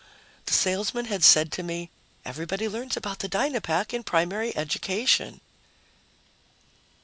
_ The salesman had said to me, "Everybody learns about the Dynapack in primary education."